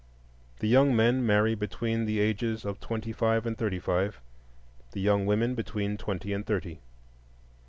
The young men marry between the ages of twenty five and thirty five; the young women between twenty and thirty.